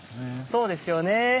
そうですよね。